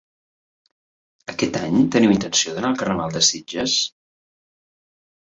Aquest any teniu intenció d'anar al Carnaval de Sitges?